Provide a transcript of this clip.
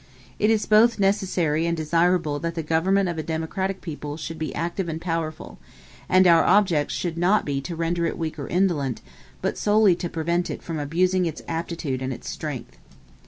It is both necessary and desirable that the government of a democratic people should be active and powerful: and our object should not be to render it weak or indolent, but solely to prevent it from abusing its aptitude and its strength.